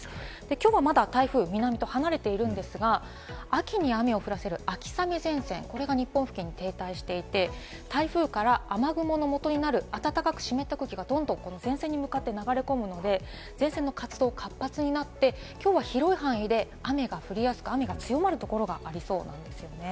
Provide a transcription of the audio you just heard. きょうはまだ南に台風が離れているんですが、秋に雨を降らせる秋雨前線、これが日本付近に停滞していて、台風から雨雲のもとになる暖かく湿った空気がどんどんと前線に向かって流れ込むので、前線の活動が活発になって、きょうは広い範囲で雨が降りやすく強まるところがありそうなんですよね。